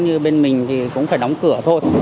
như bên mình thì cũng phải đóng cửa thôi